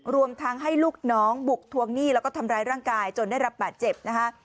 รวมทั้งให้ลูกน้องบุกทวงหนี้แล้วก็ทำร้ายร่างกายจนได้รับบาดเจ็บนะคะ